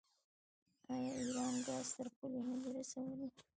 آیا ایران ګاز تر پولې نه دی رسولی؟